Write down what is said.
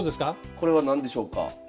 これは何でしょうか？